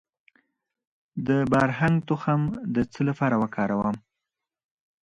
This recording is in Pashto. د بارهنګ تخم د څه لپاره وکاروم؟